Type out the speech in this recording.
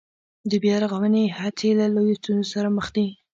د بيا رغونې هڅې له لویو ستونزو سره مخ دي